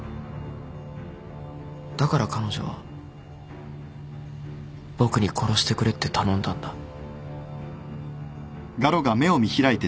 だから彼女は僕に殺してくれって頼んだんだ。